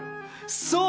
そう！